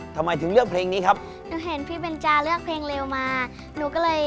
และก็เพลงพี่จ๊ะเป็นเพลงเต้นด้วย